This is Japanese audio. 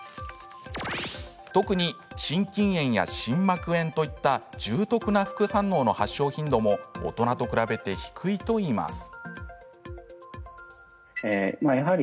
特に心筋炎や心膜炎といった重篤な副反応の発症頻度も大人と比べて低いといいます。